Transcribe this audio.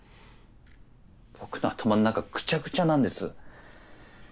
僕の頭ん中ぐちゃぐちゃなんです。